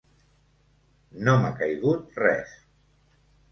No m'ha caigut res.